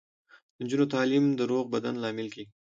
د نجونو تعلیم د روغ بدن لامل کیږي.